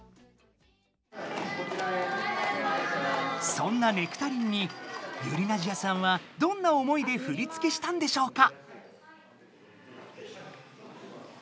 そんな「ネクタリン」にｙｕｒｉｎａｓｉａさんはどんな思いで振り付けしたんでしょうか？